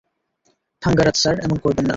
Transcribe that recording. Thangaraj sir, এমন করবেন না।